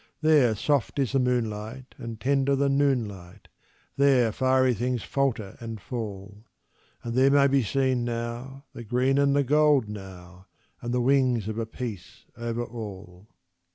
There soft is the moonlight, and tender the noon light; There fiery things falter and fall; And there may be seen, now, the gold and the green, now, And the wings of a peace over all.